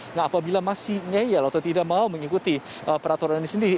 nah apabila masih ngeyel atau tidak mau mengikuti peraturan ini sendiri